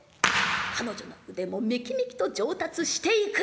彼女の腕もメキメキと上達していく。